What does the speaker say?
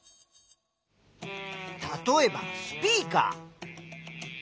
例えばスピーカー。